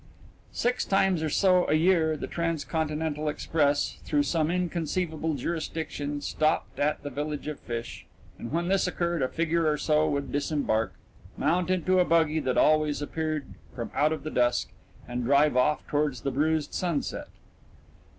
Six times or so a year the Transcontinental Express, through some inconceivable jurisdiction, stopped at the village of Fish, and when this occurred a figure or so would disembark, mount into a buggy that always appeared from out of the dusk, and drive off toward the bruised sunset.